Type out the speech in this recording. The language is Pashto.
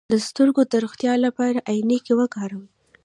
د سترګو د روغتیا لپاره عینکې وکاروئ